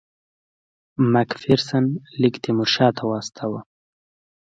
مک فیرسن لیک تیمورشاه ته واستاوه.